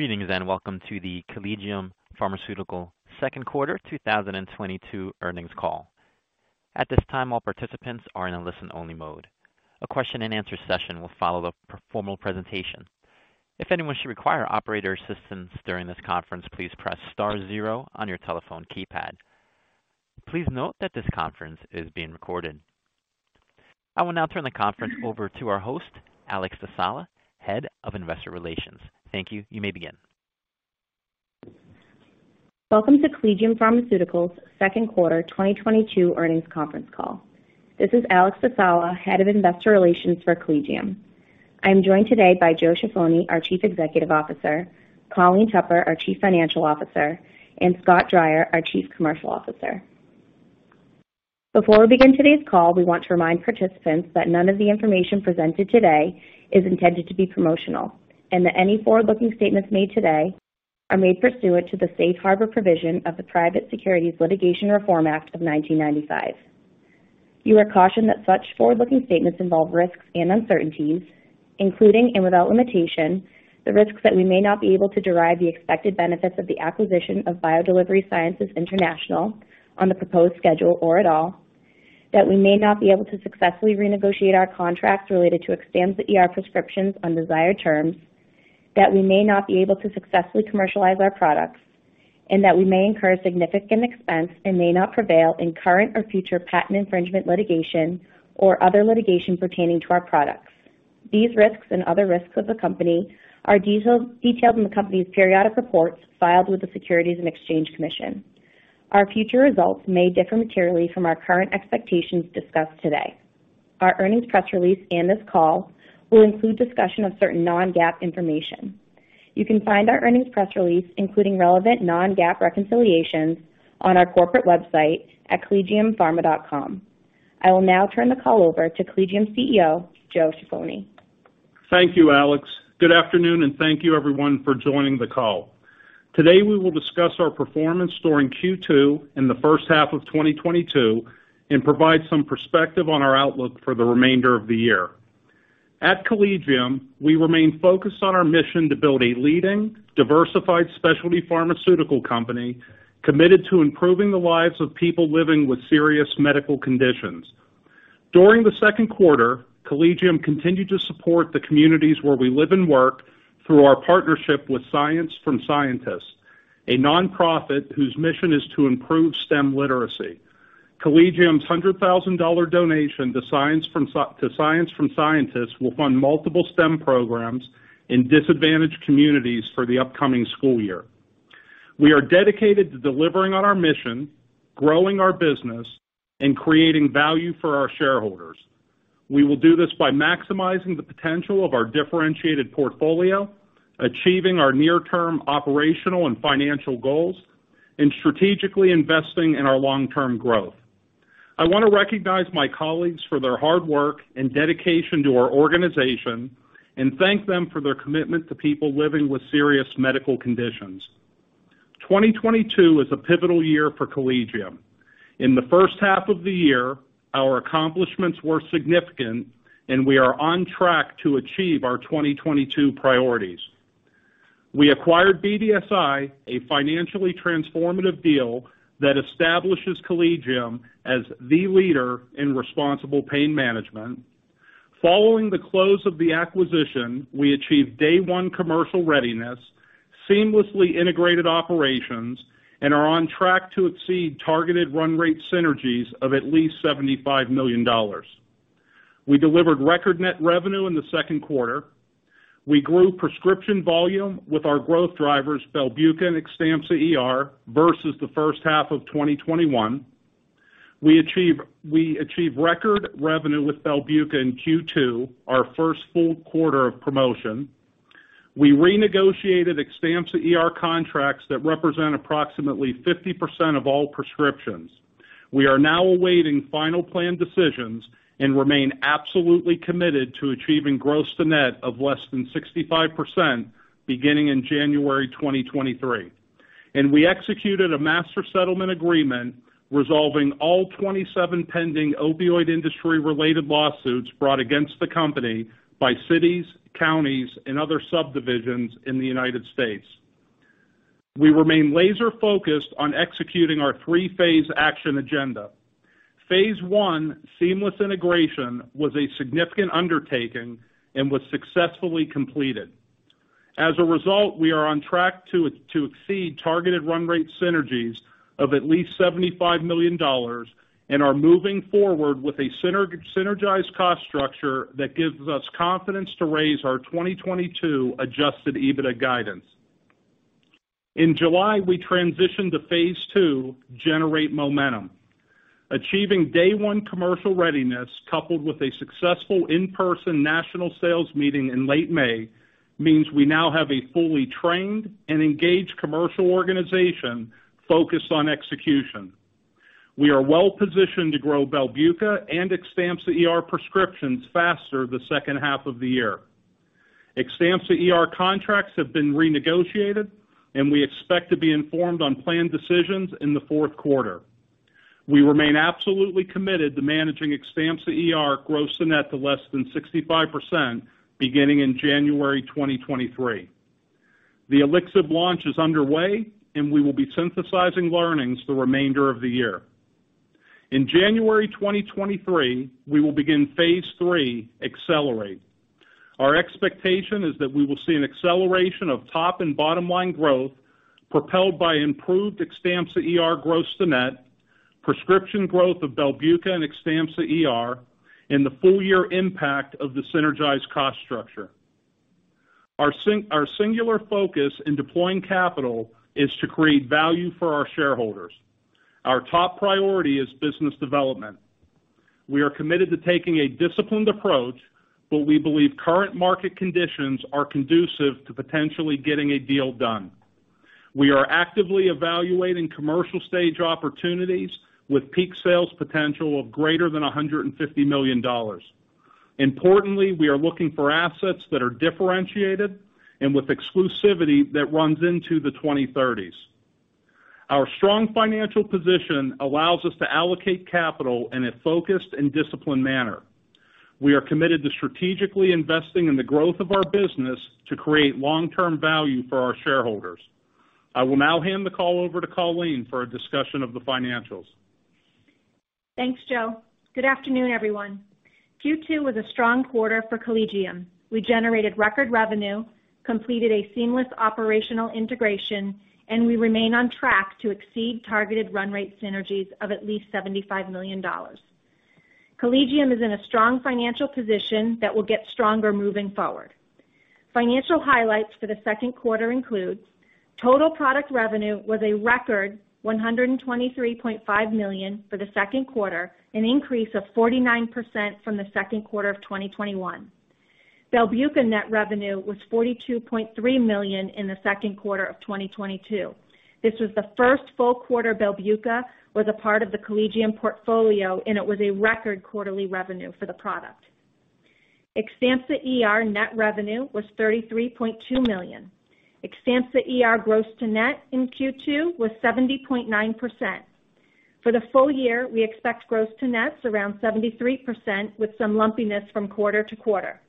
Greetings, and welcome to the Collegium Pharmaceutical second quarter 2022 earnings call. At this time, all participants are in a listen-only mode. A question-and-answer session will follow the formal presentation. If anyone should require operator assistance during this conference, please press star zero on your telephone keypad. Please note that this conference is being recorded. I will now turn the conference over to our host, Alex Dasalla, Head of Investor Relations. Thank you. You may begin. Welcome to Collegium Pharmaceutical's second quarter 2022 earnings conference call. This is Alex Dasalla, Head of Investor Relations for Collegium. I am joined today by Joe Ciaffoni, our Chief Executive Officer, Colleen Tupper, our Chief Financial Officer, and Scott Dreyer, our Chief Commercial Officer. Before we begin today's call, we want to remind participants that none of the information presented today is intended to be promotional, and that any forward-looking statements made today are made pursuant to the safe harbor provision of the Private Securities Litigation Reform Act of 1995. You are cautioned that such forward-looking statements involve risks and uncertainties, including, and without limitation, the risks that we may not be able to derive the expected benefits of the acquisition of BioDelivery Sciences International on the proposed schedule or at all, that we may not be able to successfully renegotiate our contracts related to Xtampza ER prescriptions on desired terms, that we may not be able to successfully commercialize our products, and that we may incur significant expense and may not prevail in current or future patent infringement litigation or other litigation pertaining to our products. These risks and other risks of the company are detailed in the company's periodic reports filed with the Securities and Exchange Commission. Our future results may differ materially from our current expectations discussed today. Our earnings press release and this call will include discussion of certain non-GAAP information. You can find our earnings press release, including relevant non-GAAP reconciliations, on our corporate website at collegiumpharma.com. I will now turn the call over to Collegium CEO, Joe Ciaffoni. Thank you, Alex. Good afternoon and thank you everyone for joining the call. Today, we will discuss our performance during Q2 in the first half of 2022 and provide some perspective on our outlook for the remainder of the year. At Collegium, we remain focused on our mission to build a leading, diversified specialty pharmaceutical company committed to improving the lives of people living with serious medical conditions. During the second quarter, Collegium continued to support the communities where we live and work through our partnership with Science from Scientists, a nonprofit whose mission is to improve STEM literacy. Collegium's $100,000 donation to Science from Scientists will fund multiple STEM programs in disadvantaged communities for the upcoming school year. We are dedicated to delivering on our mission, growing our business, and creating value for our shareholders. We will do this by maximizing the potential of our differentiated portfolio, achieving our near-term operational and financial goals, and strategically investing in our long-term growth. I wanna recognize my colleagues for their hard work and dedication to our organization and thank them for their commitment to people living with serious medical conditions. 2022 is a pivotal year for Collegium. In the first half of the year, our accomplishments were significant, and we are on track to achieve our 2022 priorities. We acquired BDSI, a financially transformative deal that establishes Collegium as the leader in responsible pain management. Following the close of the acquisition, we achieved day one commercial readiness, seamlessly integrated operations, and are on track to exceed targeted run rate synergies of at least $75 million. We delivered record net revenue in the second quarter. We grew prescription volume with our growth drivers, Belbuca and Xtampza ER, versus the first half of 2021. We achieved record revenue with Belbuca in Q2, our first full quarter of promotion. We renegotiated Xtampza ER contracts that represent approximately 50% of all prescriptions. We are now awaiting final plan decisions and remain absolutely committed to achieving gross-to-net of less than 65% beginning in January 2023. We executed a master settlement agreement resolving all 27 pending opioid industry related lawsuits brought against the company by cities, counties, and other subdivisions in the United States. We remain laser-focused on executing our three-phase action agenda. Phase one, seamless integration, was a significant undertaking and was successfully completed. As a result, we are on track to exceed targeted run rate synergies of at least $75 million and are moving forward with a synergized cost structure that gives us confidence to raise our 2022 adjusted EBITDA guidance. In July, we transitioned to phase two, generate momentum. Achieving day one commercial readiness, coupled with a successful in-person national sales meeting in late May, means we now have a fully trained and engaged commercial organization focused on execution. We are well-positioned to grow Belbuca and Xtampza ER prescriptions faster the second half of the year. Xtampza ER contracts have been renegotiated, and we expect to be informed on plan decisions in the fourth quarter. We remain absolutely committed to managing Xtampza ER gross-to-net to less than 65% beginning in January 2023. The ELYXYB launch is underway, and we will be synthesizing learnings the remainder of the year. In January 2023, we will begin phase three, accelerate. Our expectation is that we will see an acceleration of top and bottom-line growth propelled by improved Xtampza ER gross-to-net, prescription growth of Belbuca and Xtampza ER, and the full year impact of the synergized cost structure. Our singular focus in deploying capital is to create value for our shareholders. Our top priority is business development. We are committed to taking a disciplined approach, but we believe current market conditions are conducive to potentially getting a deal done. We are actively evaluating commercial stage opportunities with peak sales potential of greater than $150 million. Importantly, we are looking for assets that are differentiated and with exclusivity that runs into the 2030s. Our strong financial position allows us to allocate capital in a focused and disciplined manner. We are committed to strategically investing in the growth of our business to create long-term value for our shareholders. I will now hand the call over to Colleen for a discussion of the financials. Thanks, Joe. Good afternoon, everyone. Q2 was a strong quarter for Collegium. We generated record revenue, completed a seamless operational integration, and we remain on track to exceed targeted run rate synergies of at least $75 million. Collegium is in a strong financial position that will get stronger moving forward. Financial highlights for the second quarter include total product revenue was a record $123.5 million for the second quarter, an increase of 49% from the second quarter of 2021. Belbuca net revenue was $42.3 million in the second quarter of 2022. This was the first full quarter Belbuca was a part of the Collegium portfolio, and it was a record quarterly revenue for the product. Xtampza ER net revenue was $33.2 million. Xtampza ER gross-to-net in Q2 was 70.9%. For the full year, we expect gross-to-net around 73% with some lumpiness from quarter to quarter.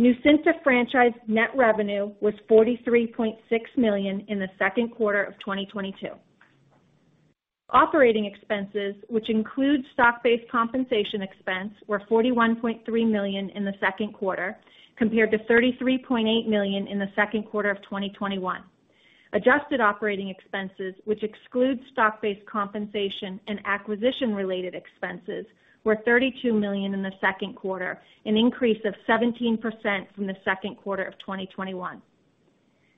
Nucynta franchise net revenue was $43.6 million in the second quarter of 2022. Operating expenses, which includes stock-based compensation expense, were $41.3 million in the second quarter compared to $33.8 million in the second quarter of 2021. Adjusted operating expenses, which excludes stock-based compensation and acquisition-related expenses, were $32 million in the second quarter, an increase of 17% from the second quarter of 2021.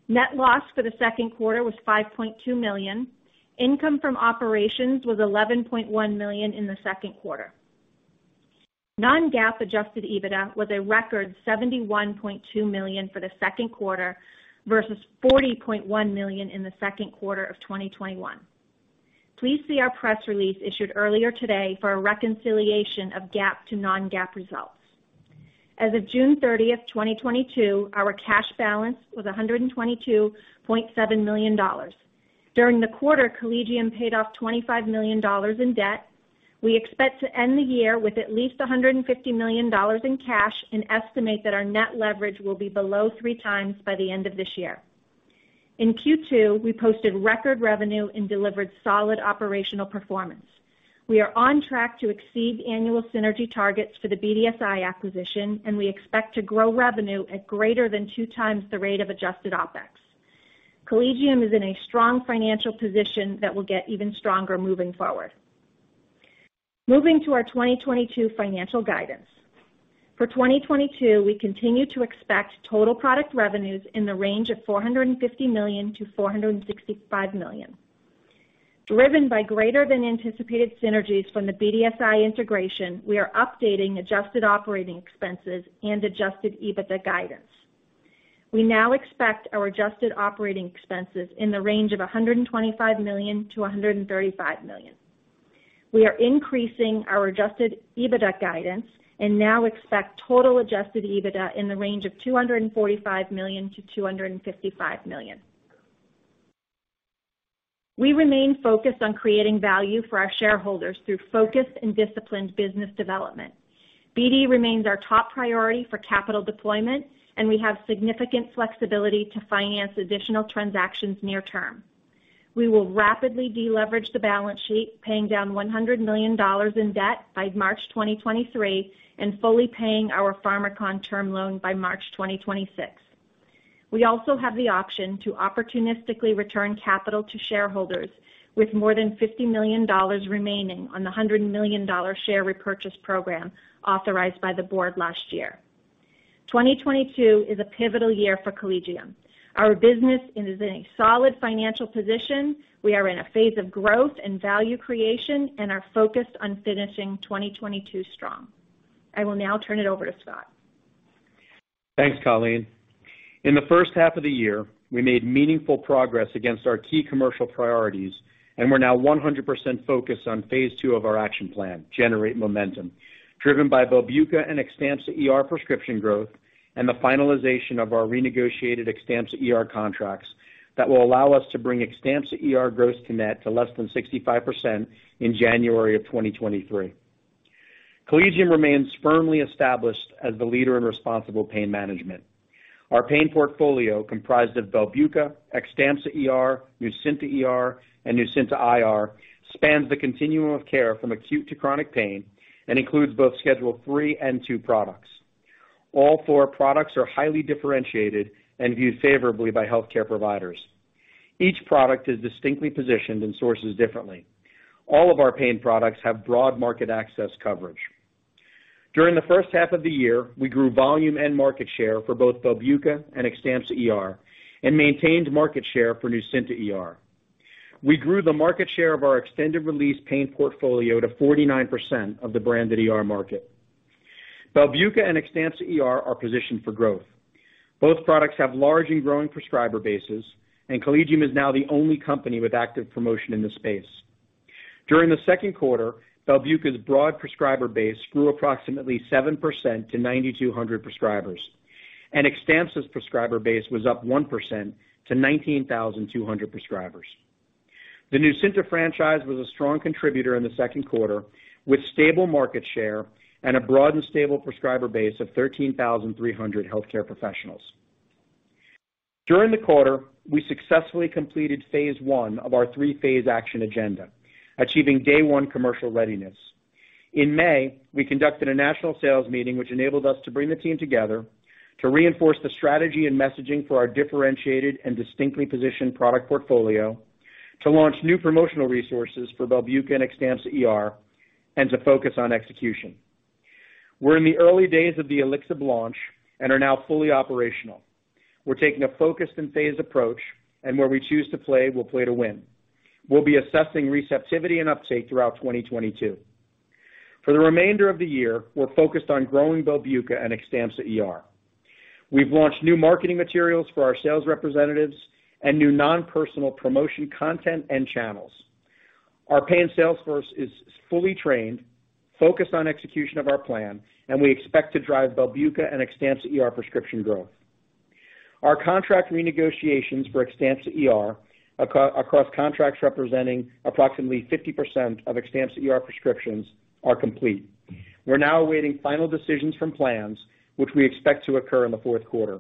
Net loss for the second quarter was $5.2 million. Income from operations was $11.1 million in the second quarter. Non-GAAP adjusted EBITDA was a record $71.2 million for the second quarter versus $40.1 million in the second quarter of 2021. Please see our press release issued earlier today for a reconciliation of GAAP to non-GAAP results. As of June 30, 2022, our cash balance was $122.7 million. During the quarter, Collegium paid off $25 million in debt. We expect to end the year with at least $150 million in cash and estimate that our net leverage will be below 3x by the end of this year. In Q2, we posted record revenue and delivered solid operational performance. We are on track to exceed annual synergy targets for the BDSI acquisition, and we expect to grow revenue at greater than 2x the rate of adjusted OpEx. Collegium is in a strong financial position that will get even stronger moving forward. Moving to our 2022 financial guidance. For 2022, we continue to expect total product revenues in the range of $450 million-$465 million. Driven by greater than anticipated synergies from the BDSI integration, we are updating adjusted operating expenses and adjusted EBITDA guidance. We now expect our adjusted operating expenses in the range of $125 million-$135 million. We are increasing our adjusted EBITDA guidance and now expect total adjusted EBITDA in the range of $245 million-$255 million. We remain focused on creating value for our shareholders through focused and disciplined business development. BD remains our top priority for capital deployment, and we have significant flexibility to finance additional transactions near term. We will rapidly deleverage the balance sheet, paying down $100 million in debt by March 2023 and fully paying our Pharmakon term loan by March 2026. We also have the option to opportunistically return capital to shareholders with more than $50 million remaining on the $100 million share repurchase program authorized by the board last year. 2022 is a pivotal year for Collegium. Our business is in a solid financial position. We are in a phase of growth and value creation and are focused on finishing 2022 strong. I will now turn it over to Scott. Thanks, Colleen. In the first half of the year, we made meaningful progress against our key commercial priorities, and we're now 100% focused on phase two of our action plan, generate momentum, driven by Belbuca and Xtampza ER prescription growth. The finalization of our renegotiated Xtampza ER contracts that will allow us to bring Xtampza ER gross-to-net to less than 65% in January 2023. Collegium remains firmly established as the leader in responsible pain management. Our pain portfolio, comprised of Belbuca, Xtampza ER, Nucynta ER, and Nucynta IR, spans the continuum of care from acute to chronic pain and includes both Schedule III and II products. All four products are highly differentiated and viewed favorably by healthcare providers. Each product is distinctly positioned and sources differently. All of our pain products have broad market access coverage. During the first half of the year, we grew volume and market share for both Belbuca and Xtampza ER and maintained market share for Nucynta ER. We grew the market share of our extended-release pain portfolio to 49% of the branded ER market. Belbuca and Xtampza ER are positioned for growth. Both products have large and growing prescriber bases, and Collegium is now the only company with active promotion in this space. During the second quarter, Belbuca's broad prescriber base grew approximately 7% to 9,200 prescribers, and Xtampza's prescriber base was up 1% to 19,200 prescribers. The Nucynta franchise was a strong contributor in the second quarter, with stable market share and a broad and stable prescriber base of 13,300 healthcare professionals. During the quarter, we successfully completed phase one of our three-phase action agenda, achieving day one commercial readiness. In May, we conducted a national sales meeting which enabled us to bring the team together to reinforce the strategy and messaging for our differentiated and distinctly positioned product portfolio, to launch new promotional resources for Belbuca and Xtampza ER, and to focus on execution. We're in the early days of the ELYXYB launch and are now fully operational. We're taking a focused and phased approach, and where we choose to play, we'll play to win. We'll be assessing receptivity and uptake throughout 2022. For the remainder of the year, we're focused on growing Belbuca and Xtampza ER. We've launched new marketing materials for our sales representatives and new non-personal promotion content and channels. Our paying sales force is fully trained, focused on execution of our plan, and we expect to drive Belbuca and Xtampza ER prescription growth. Our contract renegotiations for Xtampza ER across contracts representing approximately 50% of Xtampza ER prescriptions are complete. We're now awaiting final decisions from plans which we expect to occur in the fourth quarter.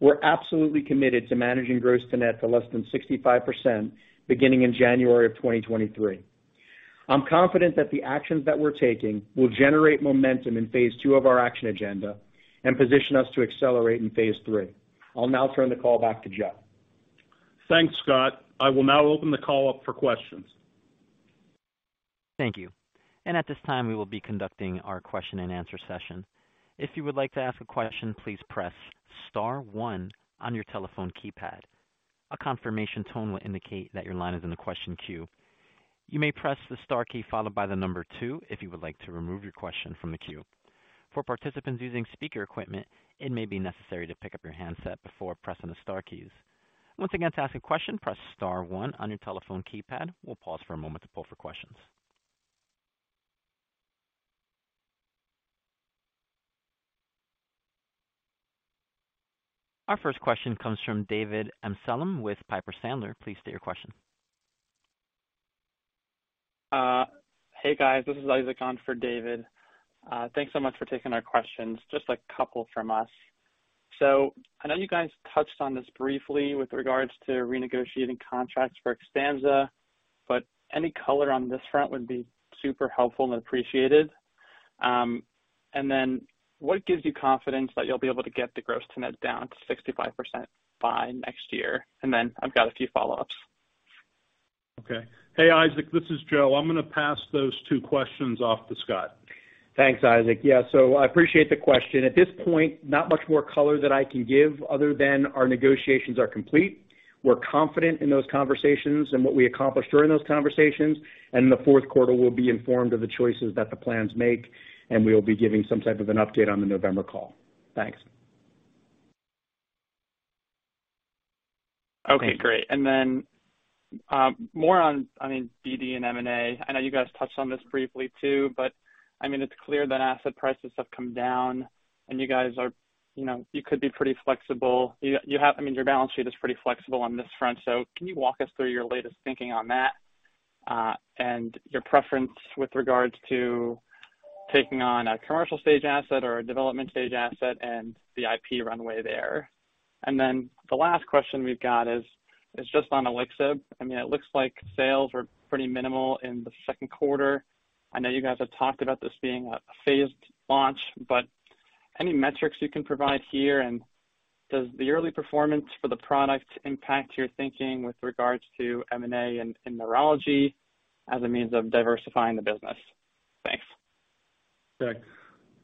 We're absolutely committed to managing gross-to-net to less than 65% beginning in January 2023. I'm confident that the actions that we're taking will generate momentum in phase two of our action agenda and position us to accelerate in phase III. I'll now turn the call back to Joe. Thanks, Scott. I will now open the call up for questions. Thank you. At this time, we will be conducting our question-and-answer session. If you would like to ask a question, please press star one on your telephone keypad. A confirmation tone will indicate that your line is in the question queue. You may press the star key followed by the number two if you would like to remove your question from the queue. For participants using speaker equipment, it may be necessary to pick up your handset before pressing the star keys. Once again, to ask a question, press star one on your telephone keypad. We'll pause for a moment to pull for questions. Our first question comes from David Amsellem with Piper Sandler. Please state your question. Hey, guys, this is Isaac on for David Amsellem. Thanks so much for taking our questions, just a couple from us. I know you guys touched on this briefly with regards to renegotiating contracts for Xtampza, but any color on this front would be super helpful and appreciated. What gives you confidence that you'll be able to get the gross-to-net down to 65% by next year? I've got a few follow-ups. Okay. Hey, Isaac, this is Joe. I'm gonna pass those two questions off to Scott. Thanks, Isaac. Yeah, I appreciate the question. At this point, not much more color that I can give other than our negotiations are complete. We're confident in those conversations and what we accomplished during those conversations, and in the fourth quarter, we'll be informed of the choices that the plans make, and we'll be giving some type of an update on the November call. Thanks. Okay, great. More on, I mean, BD and M&A. I know you guys touched on this briefly too, but I mean, it's clear that asset prices have come down and you guys are, you know, you could be pretty flexible. I mean, your balance sheet is pretty flexible on this front, so can you walk us through your latest thinking on that, and your preference with regards to taking on a commercial stage asset or a development stage asset and the IP runway there? The last question we've got is just on ELYXYB. I mean, it looks like sales were pretty minimal in the second quarter. I know you guys have talked about this being a phased launch, but any metrics you can provide here? Does the early performance for the product impact you're thinking with regards to M&A in neurology as a means of diversifying the business? Thanks. Okay.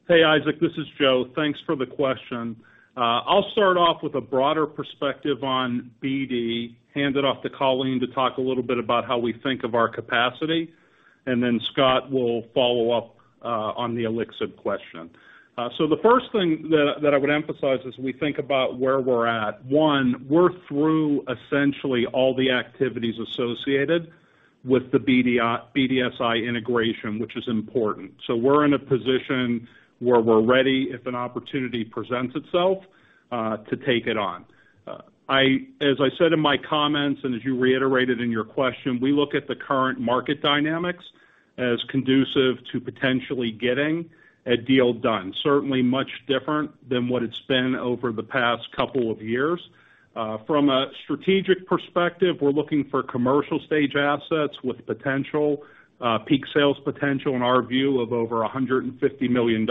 Hey, Isaac, this is Joe. Thanks for the question. I'll start off with a broader perspective on BD, hand it off to Colleen to talk a little bit about how we think of our capacity, and then Scott will follow up on the liquidity question. The first thing that I would emphasize as we think about where we're at, one, we're through essentially all the activities associated with the BDSI integration, which is important. We're in a position where we're ready if an opportunity presents itself to take it on. As I said in my comments, and as you reiterated in your question, we look at the current market dynamics as conducive to potentially getting a deal done. Certainly, much different than what it's been over the past couple of years. From a strategic perspective, we're looking for commercial stage assets with potential peak sales potential in our view of over $150 million.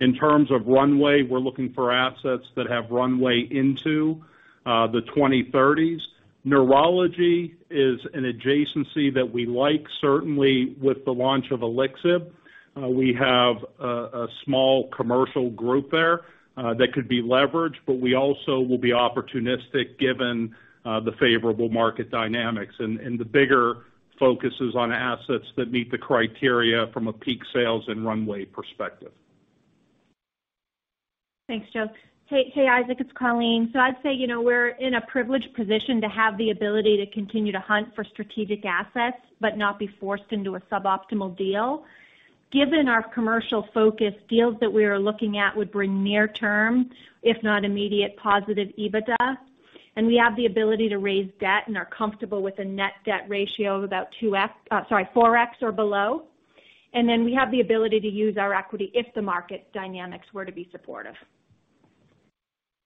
In terms of runway, we're looking for assets that have runway into the 2030s. Neurology is an adjacency that we like, certainly with the launch of ELYXYB. We have a small commercial group there that could be leveraged, but we also will be opportunistic given the favorable market dynamics and the bigger focuses on assets that meet the criteria from a peak sales and runway perspective. Thanks, Joe. Hey, Isaac, it's Colleen. I'd say, you know, we're in a privileged position to have the ability to continue to hunt for strategic assets but not be forced into a suboptimal deal. Given our commercial focus, deals that we are looking at would bring near term, if not immediate positive EBITDA. We have the ability to raise debt and are comfortable with a net debt ratio of about 2x, sorry, 4x or below. Then we have the ability to use our equity if the market dynamics were to be supportive.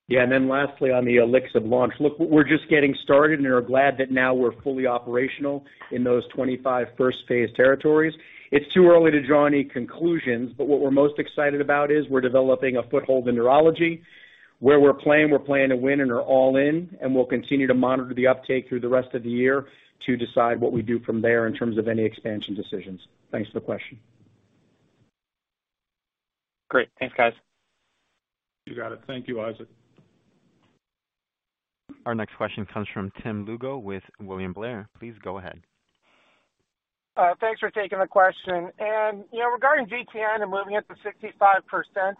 Yeah. Then lastly, on the ELYXYB launch. Look, we're just getting started, and are glad that now we're fully operational in those 25 first phase territories. It's too early to draw any conclusions, but what we're most excited about is we're developing a foothold in neurology. Where we're playing, we're playing to win and are all in, and we'll continue to monitor the uptake through the rest of the year to decide what we do from there in terms of any expansion decisions. Thanks for the question. Great. Thanks, guys. You got it. Thank you, Isaac. Our next question comes from Tim Lugo with William Blair. Please go ahead. Thanks for taking the question. You know, regarding GTN and moving it to 65%,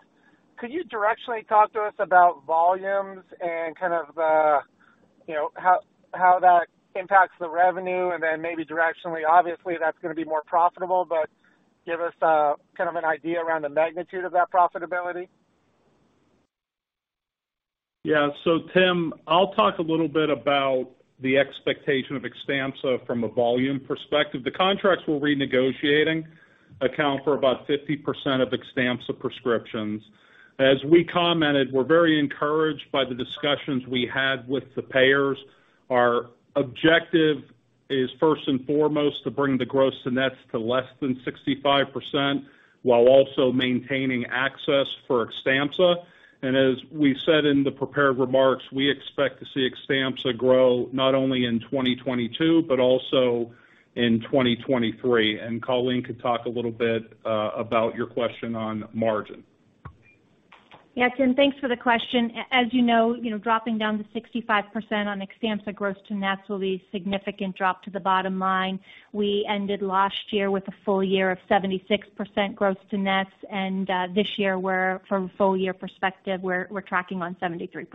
could you directionally talk to us about volumes and kind of the, you know, how that impacts the revenue? Then maybe directionally, obviously, that's gonna be more profitable, but give us a kind of an idea around the magnitude of that profitability. Tim, I'll talk a little bit about the expectation of Xtampza from a volume perspective. The contracts we're renegotiating account for about 50% of Xtampza prescriptions. As we commented, we're very encouraged by the discussions we had with the payers. Our objective is first and foremost to bring the gross-to-net to less than 65%, while also maintaining access for Xtampza. As we said in the prepared remarks, we expect to see Xtampza grow not only in 2022 but also in 2023. Colleen could talk a little bit about your question on margin. Yeah. Tim, thanks for the question. As you know, you know, dropping down to 65% on Xtampza gross to net will be a significant drop to the bottom line. We ended last year with a full year of 76% gross to nets, and this year we're from a full year perspective, we're tracking on 73%.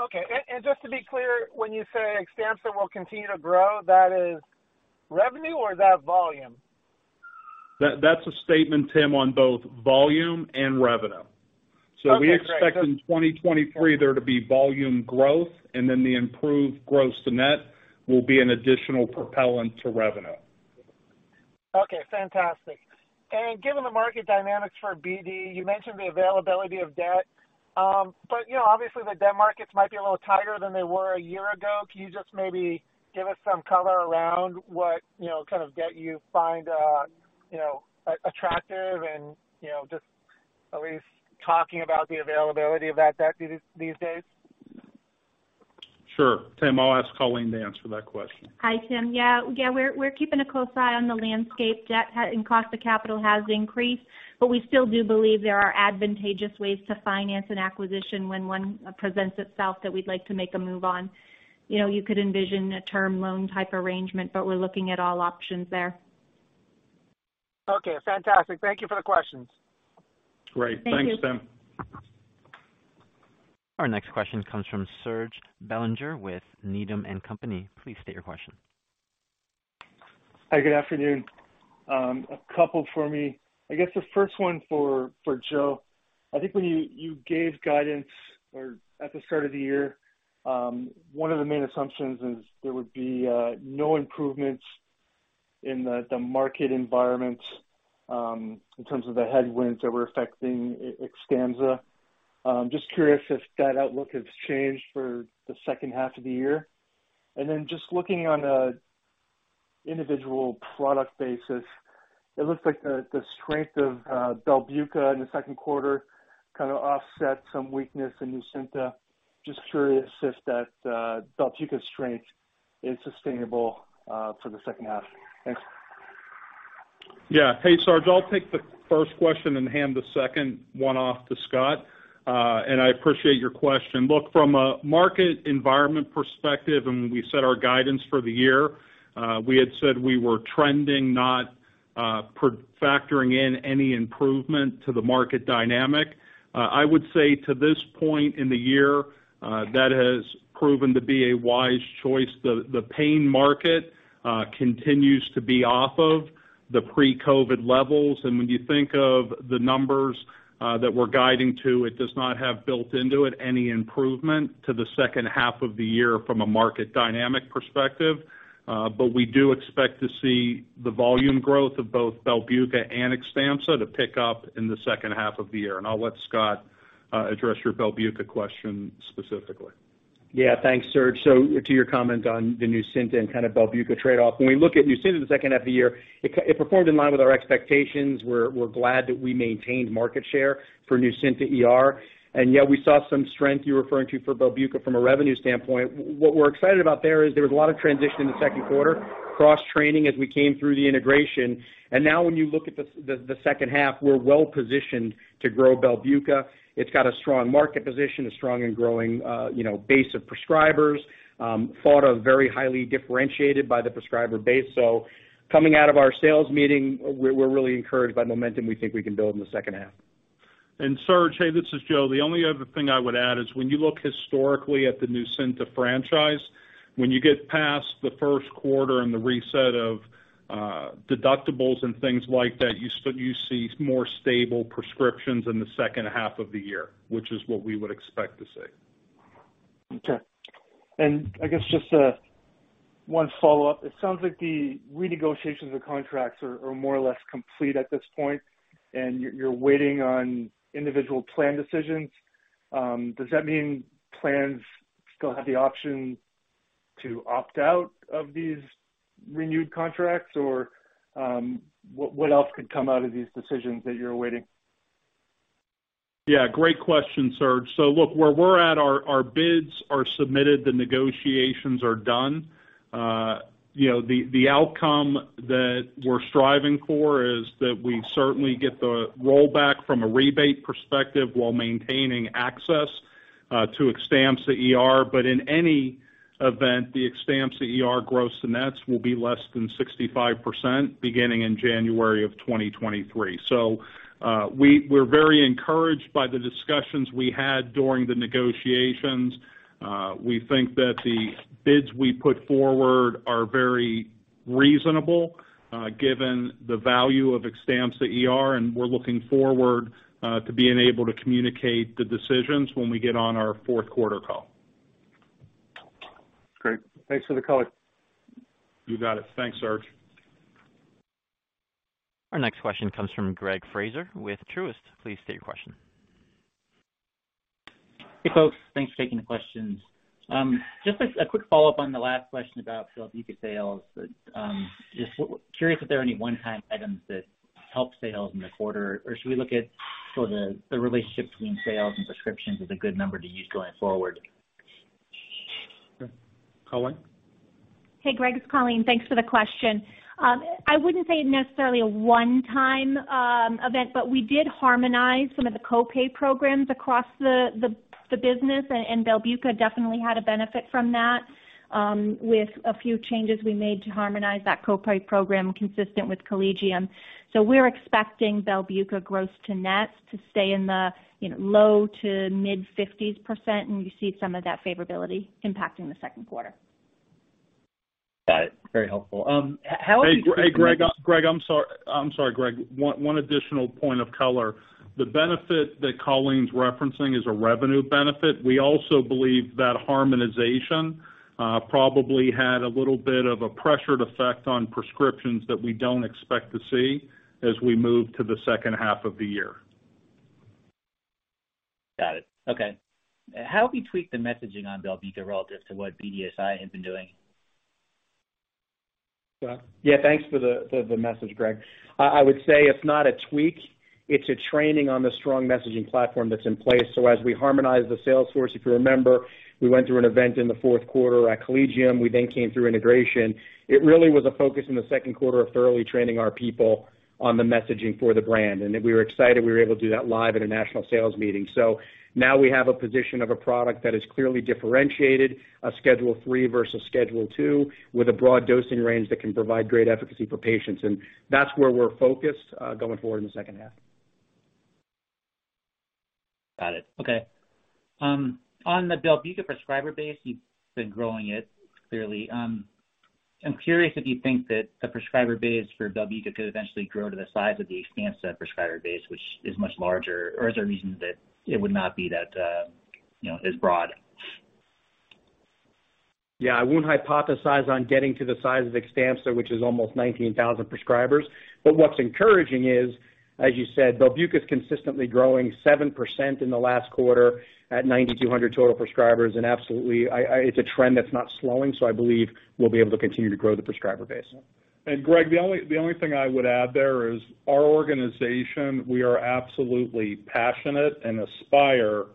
Okay. Just to be clear, when you say Xtampza will continue to grow, that is revenue or is that volume? That's a statement, Tim, on both volume and revenue. Okay, great. We expect in 2023 there to be volume growth, and then the improved gross-to-net will be an additional propellant to revenue. Okay, fantastic. Given the market dynamics for BD, you mentioned the availability of debt. You know, obviously, the debt markets might be a little tighter than they were a year ago. Can you just maybe give us some color around what, you know, kind of debt you find attractive and, you know, just at least talking about the availability of that debt these days? Sure. Tim, I'll ask Colleen to answer that question. Hi, Tim. Yeah, yeah, we're keeping a close eye on the landscape. Cost of capital has increased, but we still do believe there are advantageous ways to finance an acquisition when one presents itself that we'd like to make a move on. You know, you could envision a term loan type arrangement, but we're looking at all options there. Okay, fantastic. Thank you for the questions. Great. Thank you. Thanks, Tim. Our next question comes from Serge Belanger with Needham & Company. Please state your question. Hi, good afternoon. A couple for me. I guess the first one for Joe. I think when you gave guidance or at the start of the year, one of the main assumptions is there would be no improvements in the market environment in terms of the headwinds that were affecting Xtampza. Just curious if that outlook has changed for the second half of the year. Just looking on a individual product basis, it looks like the strength of Belbuca in the second quarter kinda offset some weakness in Nucynta. Just curious if that Belbuca strength is sustainable for the second half. Thanks. Yeah. Hey, Serge, I'll take the first question and hand the second one off to Scott, and I appreciate your question. Look, from a market environment perspective, when we set our guidance for the year, we had said we were trending, not factoring in any improvement to the market dynamic. I would say to this point in the year, that has proven to be a wise choice. The pain market continues to be off of the pre-COVID levels. When you think of the numbers that we're guiding to, it does not have built into it any improvement to the second half of the year from a market dynamic perspective. We do expect to see the volume growth of both Belbuca and Xtampza to pick up in the second half of the year. I'll let Scott address your Belbuca question specifically. Yeah. Thanks, Serge. To your comment on the Nucynta and kind of Belbuca trade-off, when we look at Nucynta in the second half of the year, it performed in line with our expectations. We're glad that we maintained market share for Nucynta ER. Yeah, we saw some strength you're referring to for Belbuca from a revenue standpoint. What we're excited about there is there was a lot of transition in the second quarter, cross-training as we came through the integration. Now when you look at the second half, we're well-positioned to grow Belbuca. It's got a strong market position, a strong and growing, you know, base of prescribers, thought of very highly differentiated by the prescriber base. Coming out of our sales meeting, we're really encouraged by the momentum we think we can build in the second half. Serge, hey, this is Joe. The only other thing I would add is when you look historically at the Nucynta franchise, when you get past the first quarter and the reset of deductibles and things like that, you see more stable prescriptions in the second half of the year, which is what we would expect to see. Okay. I guess just one follow-up. It sounds like the renegotiations of contracts are more or less complete at this point, and you're waiting on individual plan decisions. Does that mean plans still have the option to opt out of these renewed contracts? What else could come out of these decisions that you're awaiting? Yeah, great question, Serge. Look, where we're at, our bids are submitted, the negotiations are done. You know, the outcome that we're striving for is that we certainly get the rollback from a rebate perspective while maintaining access to Xtampza ER. But in any event, the Xtampza ER gross-to-nets will be less than 65% beginning in January 2023. We're very encouraged by the discussions we had during the negotiations. We think that the bids we put forward are very reasonable, given the value of Xtampza ER, and we're looking forward to being able to communicate the decisions when we get on our fourth quarter call. Great. Thanks for the color. You got it. Thanks, Serge. Our next question comes from Greg Fraser with Truist. Please state your question. Hey, folks, thanks for taking the questions. Just a quick follow-up on the last question about Belbuca sales. Just curious if there are any one-time items that helped sales in the quarter, or should we look at sort of the relationship between sales and prescriptions as a good number to use going forward? Colleen. Hey, Greg, it's Colleen. Thanks for the question. I wouldn't say necessarily a one-time event, but we did harmonize some of the co-pay programs across the business, and Belbuca definitely had a benefit from that, with a few changes we made to harmonize that co-pay program consistent with Collegium. We're expecting Belbuca gross to net to stay in the, you know, low- to mid-50s%, and you see some of that favorability impacting the second quarter. Got it. Very helpful. Hey, Greg. I'm sorry, Greg. One additional point of color. The benefit that Colleen's referencing is a revenue benefit. We also believe that harmonization probably had a little bit of a pressured effect on prescriptions that we don't expect to see as we move to the second half of the year. Got it. Okay. How have you tweaked the messaging on Belbuca relative to what BDSI has been doing? Yeah. Yeah, thanks for the message, Greg. I would say it's not a tweak; it's a training on the strong messaging platform that's in place. As we harmonize the sales force, if you remember, we went through an event in the fourth quarter at Collegium. We then came through integration. It really was a focus in the second quarter of thoroughly training our people on the messaging for the brand. We were excited we were able to do that live at a national sales meeting. Now we have a position of a product that is clearly differentiated, a Schedule III versus Schedule II, with a broad dosing range that can provide great efficacy for patients. That's where we're focused, going forward in the second half. Got it. Okay. On the Belbuca prescriber base, you've been growing it clearly. I'm curious if you think that the prescriber base for Belbuca could eventually grow to the size of the Xtampza prescriber base, which is much larger, or is there a reason that it would not be that, you know, as broad? Yeah. I wouldn't hypothesize on getting to the size of Xtampza, which is almost 19,000 prescribers. What's encouraging is, as you said, Belbuca is consistently growing 7% in the last quarter at 9,200 total prescribers. Absolutely, I—it's a trend that's not slowing, so I believe we'll be able to continue to grow the prescriber base. Greg, the only thing I would add there is our organization, we are absolutely passionate and aspire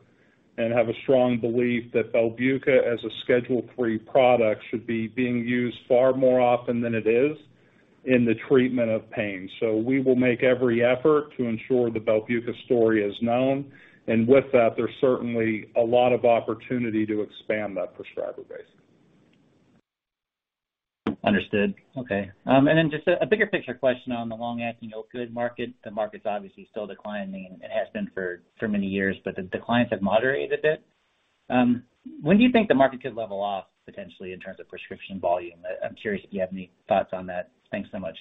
and have a strong belief that Belbuca, as a Schedule III product, should be being used far more often than it is in the treatment of pain. We will make every effort to ensure the Belbuca story is known. With that, there's certainly a lot of opportunity to expand that prescriber base. Understood. Okay. Just a bigger picture question on the long-acting opioid market. The market's obviously still declining. It has been for many years, but the declines have moderated a bit. When do you think the market could level off potentially in terms of prescription volume? I'm curious if you have any thoughts on that. Thanks so much.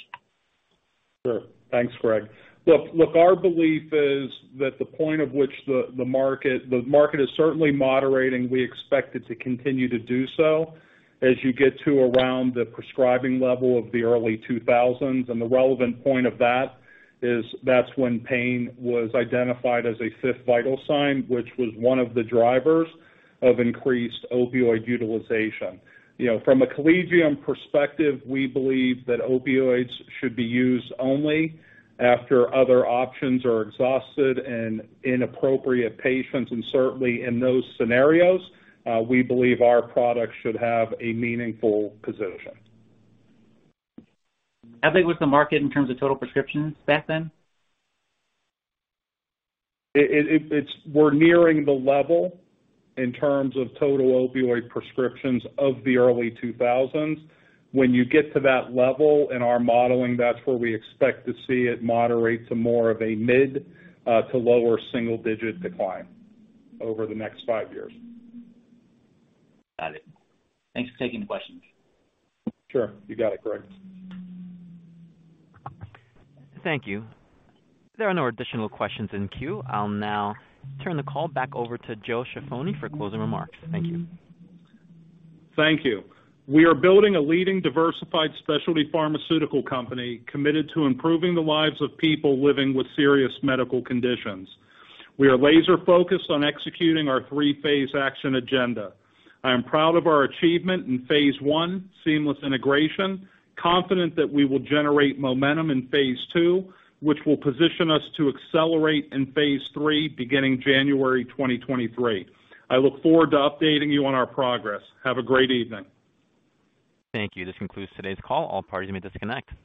Sure. Thanks, Greg. Look, our belief is that the point at which the market is certainly moderating. We expect it to continue to do so as you get to around the prescribing level of the early 2000s, and the relevant point of that is that's when pain was identified as a fifth vital sign, which was one of the drivers of increased opioid utilization. You know, from a Collegium perspective, we believe that opioids should be used only after other options are exhausted in appropriate patients, and certainly in those scenarios, we believe our products should have a meaningful position. How big was the market in terms of total prescriptions back then? We're nearing the level in terms of total opioid prescriptions of the early 2000s. When you get to that level in our modeling, that's where we expect to see it moderate to more of a mid to lower single digit decline over the next five years. Got it. Thanks for taking the questions. Sure. You got it, Greg. Thank you. There are no additional questions in queue. I'll now turn the call back over to Joseph Ciaffoni for closing remarks. Thank you. Thank you. We are building a leading diversified specialty pharmaceutical company committed to improving the lives of people living with serious medical conditions. We are laser focused on executing our three-phase action agenda. I am proud of our achievement in phase one, seamless integration, confident that we will generate momentum in phase two, which will position us to accelerate in phase three, beginning January 2023. I look forward to updating you on our progress. Have a great evening. Thank you. This concludes today's call. All parties may disconnect.